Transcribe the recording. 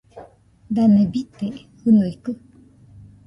Dane bite jɨnuikɨ?